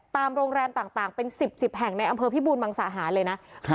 ตามโรงแรมต่างต่างเป็นสิบสิบแห่งในอำเภอพี่บูนมังสาหาฯเลยนะครับ